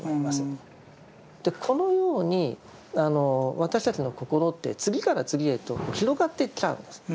このように私たちの心って次から次へと広がっていっちゃうんです。